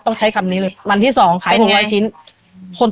ต้องใช้คำนี้เลยวันที่๒ขาย๑๐๐ชิ้น